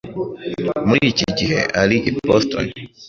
Muri iki gihe, ari i Boston.